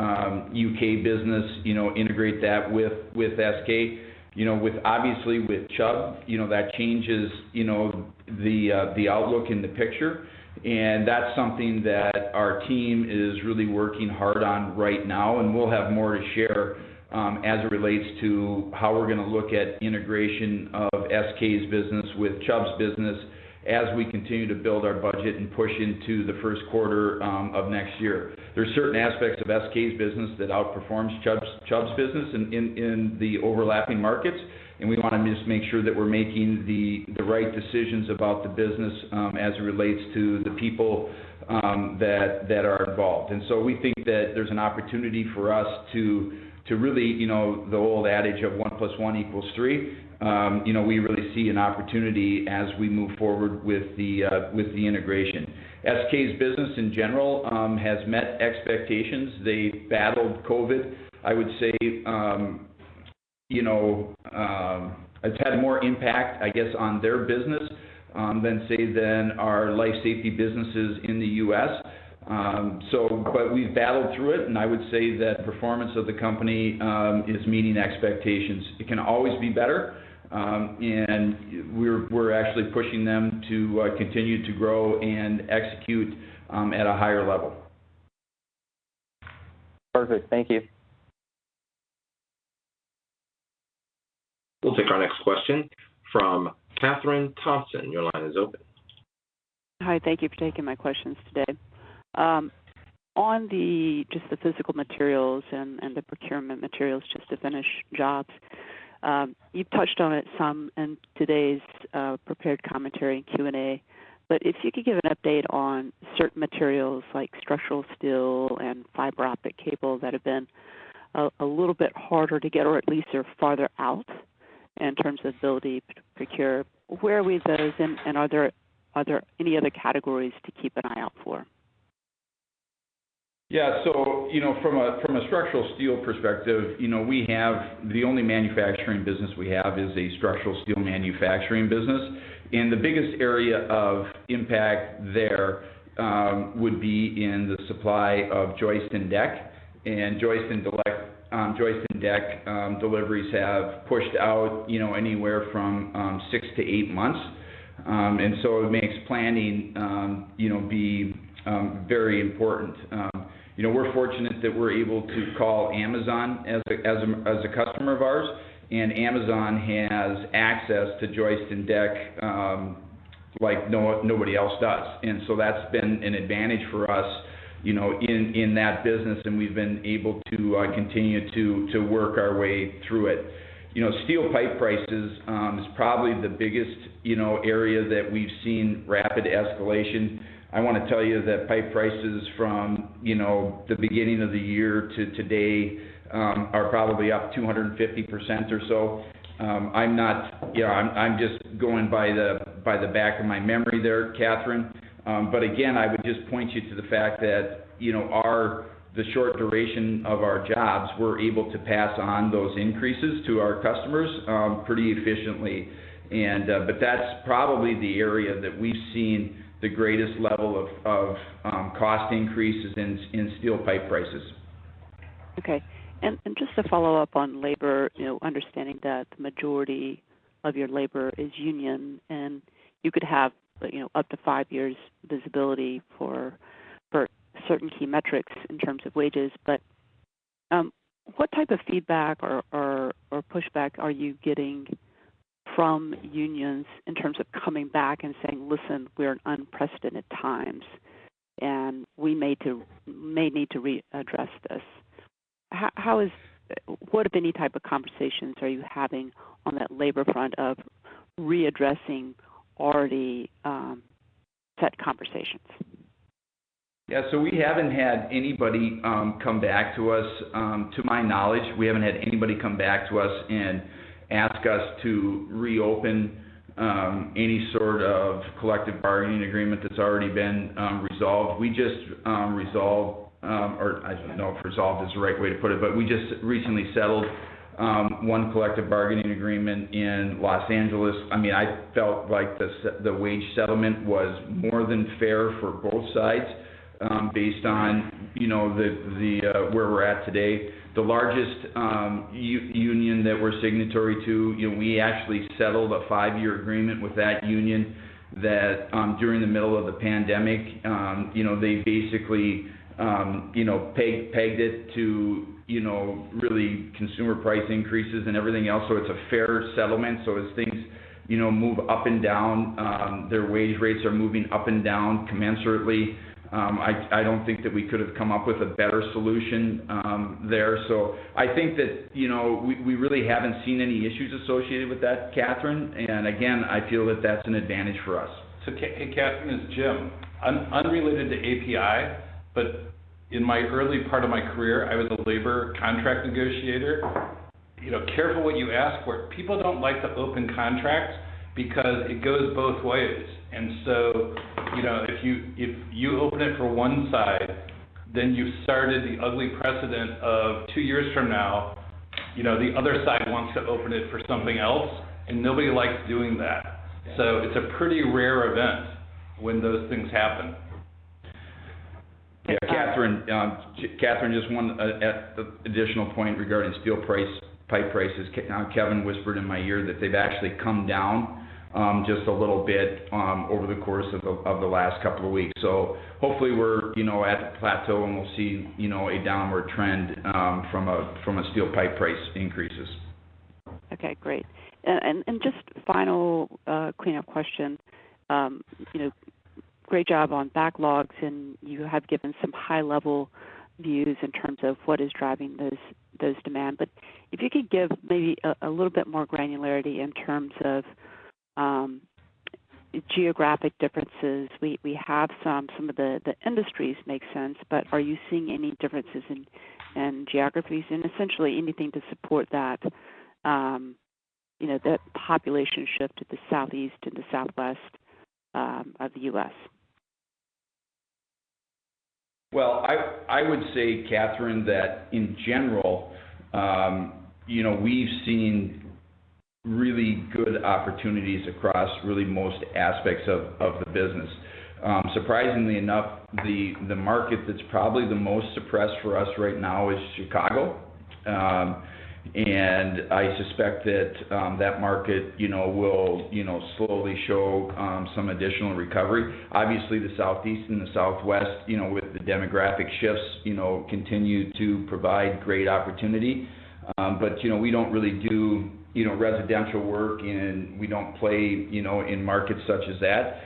U.K. business, you know, integrate that with SK. You know, with obviously with Chubb, you know, that changes, you know, the outlook in the picture. That's something that our team is really working hard on right now, and we'll have more to share, as it relates to how we're gonna look at integration of SK's business with Chubb's business as we continue to build our budget and push into the Q1 of next year. There's certain aspects of SK's business that outperforms Chubb's business in the overlapping markets, and we wanna just make sure that we're making the right decisions about the business, as it relates to the people that are involved. We think that there's an opportunity for us to really, you know, the old adage of one plus one equals three. You know, we really see an opportunity as we move forward with the integration. SK's business in general has met expectations. They battled COVID, I would say. You know, it's had more impact, I guess, on their business than, say, our life safety businesses in the U.S. We've battled through it, and I would say that performance of the company is meeting expectations. It can always be better, and we're actually pushing them to continue to grow and execute at a higher level. Perfect. Thank you. We'll take our next question from Kathryn Thompson. Your line is open. Hi. Thank you for taking my questions today. On just the physical materials and the procurement materials just to finish jobs, you've touched on it some in today's prepared commentary in Q&A, but if you could give an update on certain materials like structural steel and fiber optic cable that have been a little bit harder to get or at least are farther out in terms of ability to procure. Where are we with those, and are there any other categories to keep an eye out for? Yeah. From a structural steel perspective, you know, we have the only manufacturing business we have is a structural steel manufacturing business, and the biggest area of impact there would be in the supply of joist and deck. Joist and deck deliveries have pushed out, you know, anywhere from 6-8 months. It makes planning, you know, very important. You know, we're fortunate that we're able to call Amazon as a customer of ours, and Amazon has access to joist and deck like nobody else does. That's been an advantage for us, you know, in that business, and we've been able to continue to work our way through it. You know, steel pipe prices is probably the biggest, you know, area that we've seen rapid escalation. I wanna tell you that pipe prices from, you know, the beginning of the year to today are probably up 250% or so. You know, I'm just going by the back of my memory there, Kathryn. Again, I would just point you to the fact that, you know, the short duration of our jobs, we're able to pass on those increases to our customers pretty efficiently. That's probably the area that we've seen the greatest level of cost increases in steel pipe prices. Just to follow up on labor, you know, understanding that the majority of your labor is union, and you could have, you know, up to five years visibility for certain key metrics in terms of wages. But what type of feedback or pushback are you getting from unions in terms of coming back and saying, "Listen, we're in unprecedented times, and we may need to readdress this." What, if any, type of conversations are you having on that labor front of readdressing already set conversations? Yeah. To my knowledge, we haven't had anybody come back to us and ask us to reopen any sort of collective bargaining agreement that's already been resolved. We just resolved, or I don't know if resolved is the right way to put it, but we just recently settled one collective bargaining agreement in Los Angeles. I mean, I felt like the wage settlement was more than fair for both sides, based on, you know, the where we're at today. The largest union that we're signatory to, you know, we actually settled a five-year agreement with that union that, during the middle of the pandemic, you know, they basically, you know, pegged it to, you know, really consumer price increases and everything else, so it's a fairer settlement. As things, you know, move up and down, their wage rates are moving up and down commensurately. I don't think that we could have come up with a better solution, there. I think that, you know, we really haven't seen any issues associated with that, Kathryn. Again, I feel that that's an advantage for us. Katherine, it's Jim. Unrelated to APi, but in my early part of my career, I was a labor contract negotiator. You know, careful what you ask for. People don't like to open contracts because it goes both ways. You know, if you open it for one side, then you've started the ugly precedent of two years from now, you know, the other side wants to open it for something else, and nobody likes doing that. It's a pretty rare event when those things happen. Yeah, Katherine, just one additional point regarding steel price, pipe prices. Now, Kevin whispered in my ear that they've actually come down, just a little bit, over the course of the last couple of weeks. Hopefully we're, you know, at the plateau, and we'll see, you know, a downward trend from a steel pipe price increases. Okay, great. Just final cleanup question. You know, great job on backlogs, and you have given some high level views in terms of what is driving those demand. But if you could give maybe a little bit more granularity in terms of geographic differences. We have some. Some of the industries make sense, but are you seeing any differences in geographies? Essentially anything to support that, you know, the population shift to the southeast and the southwest of the U.S. Well, I would say, Katherine, that in general, you know, we've seen really good opportunities across really most aspects of the business. Surprisingly enough, the market that's probably the most suppressed for us right now is Chicago. I suspect that market, you know, will, you know, slowly show some additional recovery. Obviously, the Southeast and the Southwest, you know, with the demographic shifts, you know, continue to provide great opportunity. You know, we don't really do, you know, residential work and we don't play, you know, in markets such as that.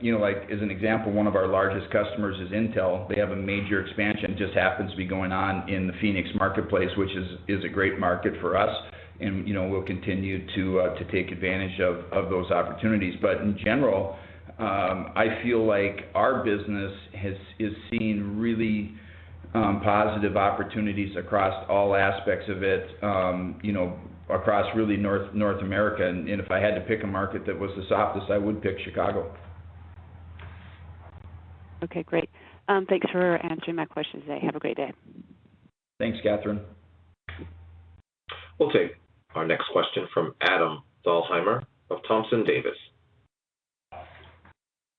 You know, like as an example, one of our largest customers is Intel. They have a major expansion, just happens to be going on in the Phoenix marketplace, which is a great market for us. You know, we'll continue to take advantage of those opportunities. In general, I feel like our business is seeing really positive opportunities across all aspects of it, you know, across really North America. If I had to pick a market that was the softest, I would pick Chicago. Okay, great. Thanks for answering my questions today. Have a great day. Thanks, Katherine. We'll take our next question from Adam Thalhimer of Thompson Davis.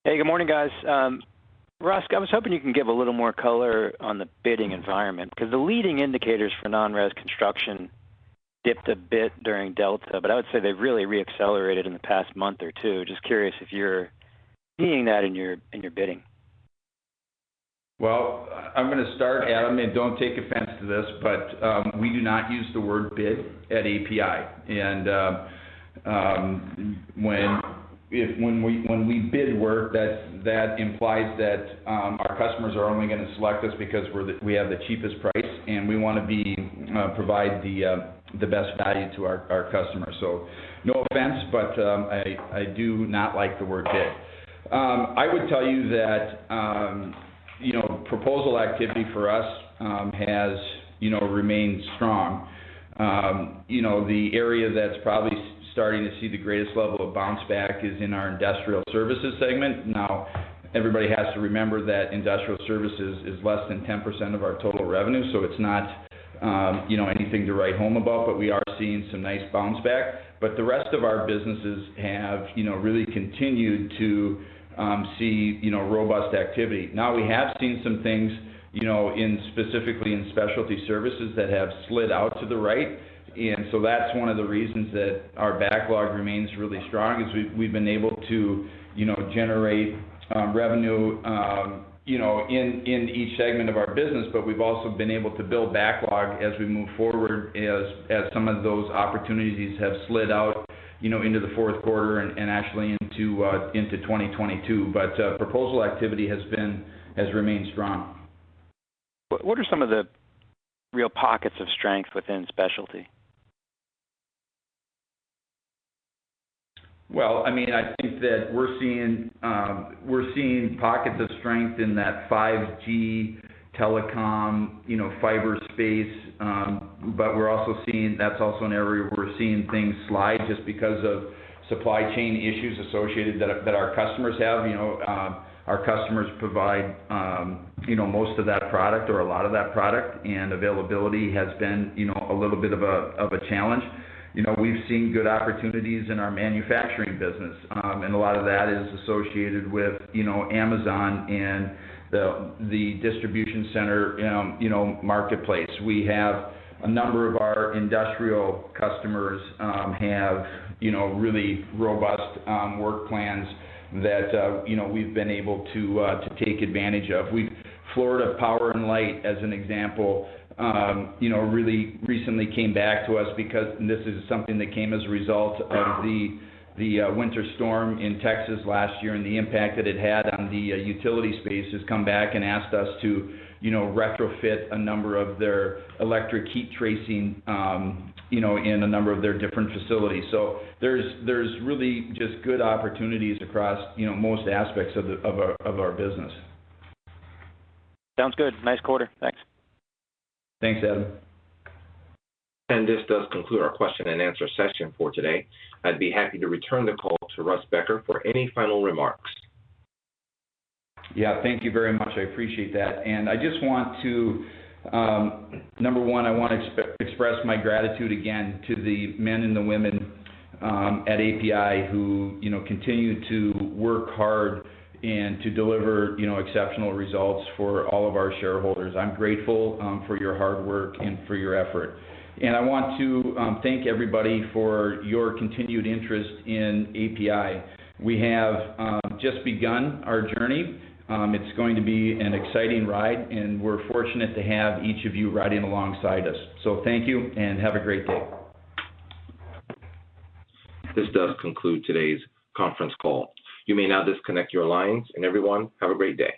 Hey, good morning, guys. Russ, I was hoping you can give a little more color on the bidding environment because the leading indicators for non-res construction dipped a bit during Delta, but I would say they've really re-accelerated in the past month or two. Just curious if you're seeing that in your bidding. Well, I'm gonna start, Adam, and don't take offense to this, but we do not use the word bid at APi. When we bid work, that implies that our customers are only gonna select us because we have the cheapest price, and we wanna provide the best value to our customers. No offense, but I do not like the word bid. I would tell you that you know, proposal activity for us has you know, remained strong. You know, the area that's probably starting to see the greatest level of bounce back is in our Industrial Services segment. Now, everybody has to remember that Industrial Services is less than 10% of our total revenue, so it's not, you know, anything to write home about, but we are seeing some nice bounce back. The rest of our businesses have, you know, really continued to see, you know, robust activity. Now, we have seen some things, you know, in specifically in Specialty Services that have slid out to the right. So that's one of the reasons that our backlog remains really strong, is we've been able to, you know, generate revenue, you know, in each segment of our business. We've also been able to build backlog as we move forward as some of those opportunities have slid out, you know, into the Q4 and actually into 2022. Proposal activity has remained strong. What are some of the real pockets of strength within Specialty? Well, I mean, I think that we're seeing pockets of strength in that 5G telecom, you know, fiber space. We're also seeing. That's also an area where we're seeing things slide just because of supply chain issues associated that our customers have. You know, our customers provide, you know, most of that product or a lot of that product, and availability has been, you know, a little bit of a challenge. You know, we've seen good opportunities in our manufacturing business. A lot of that is associated with, you know, Amazon and the distribution center, you know, marketplace. We have a number of our industrial customers have really robust work plans that, you know, we've been able to take advantage of. Florida Power & Light, as an example, you know, really recently came back to us because this is something that came as a result of the winter storm in Texas last year and the impact that it had on the utility space, has come back and asked us to, you know, retrofit a number of their electric heat tracing, you know, in a number of their different facilities. There's really just good opportunities across, you know, most aspects of our business. Sounds good. Nice quarter. Thanks. Thanks, Adam. This does conclude our question and answer session for today. I'd be happy to return the call to Russ Becker for any final remarks. Yeah. Thank you very much. I appreciate that. I just want to, number one, I wanna express my gratitude again to the men and the women at APi who, you know, continue to work hard and to deliver, you know, exceptional results for all of our shareholders. I'm grateful for your hard work and for your effort. I want to thank everybody for your continued interest in APi. We have just begun our journey. It's going to be an exciting ride, and we're fortunate to have each of you riding alongside us. Thank you, and have a great day. This does conclude today's conference call. You may now disconnect your lines. Everyone, have a great day.